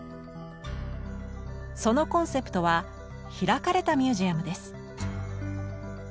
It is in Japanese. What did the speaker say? そのコンセプトは「開かれたミュージアム」です。